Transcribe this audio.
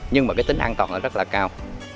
nhưng mà cái tính an toàn nó rất là cao